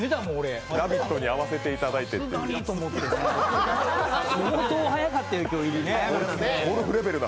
「ラヴィット！」に合わせていただいてという。